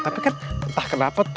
tapi kan entah kenapa